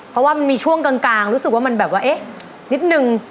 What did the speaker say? เพราะว่ามันมีช่วงกลางรู้สึกว่ามันแบบว่าเอ๊ะนิดนึง